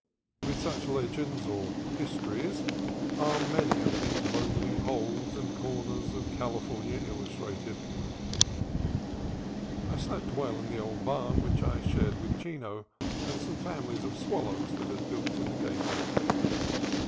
With such legends, or histories, are many of these lonely holes and corners of Cali fornia illuminated. I slept well in the old barn, which I shared with Chino and some families of swallows that had built in the gable.